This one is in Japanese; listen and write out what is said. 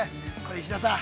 石田さん。